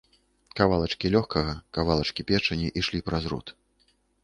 Кавалачкі лёгкага, кавалачкі печані ішлі праз рот.